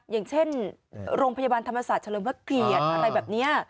อย่างเช่นโรงพยาบาลธรรมศาสตร์เฉลิมพระเกียรติอะไรแบบนี้